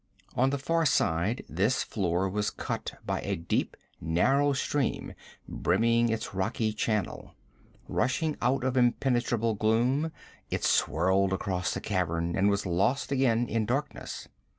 On the far side this floor was cut by a deep, narrow stream brimming its rocky channel. Rushing out of impenetrable gloom, it swirled across the cavern and was lost again in darkness.